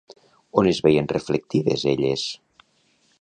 On es veien reflectides elles?